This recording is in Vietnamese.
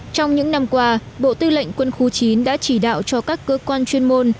trong những năm qua bộ tư lệnh quân khu chín đã chỉ đạo cho các cơ quan chuyên môn